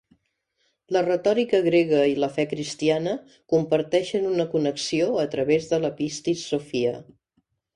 La retòrica grega i la fe cristiana comparteixen una connexió a través de la Pistis Sophia.